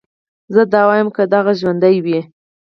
زه دا واييم که دغه ژوند وي